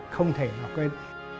không thể nào quên